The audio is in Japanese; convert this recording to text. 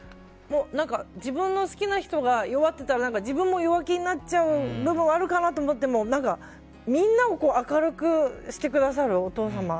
自分の好きな人が弱ってたら自分も弱気になっちゃう部分はあるかなと思ってもみんなを明るくしてくださるお父様。